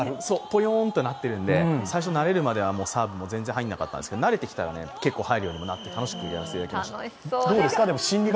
ぽよーんとなっているので慣れるまではサーブも全然入らなかったんですけど、慣れてきたら入るようになってきて楽しくやらしていただきました。